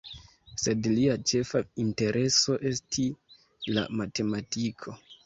Sed lia ĉefa intereso esti la matematiko.